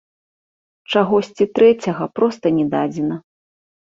Чагосьці трэцяга проста не дадзена.